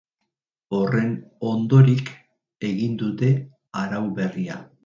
Horren ondorik egin dute arau berria.